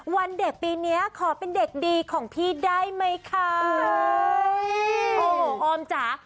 วันเด็กปีนี้ขอเป็นเด็กดีของพี่ได้ไหมคะโอ้โหออมจ๋า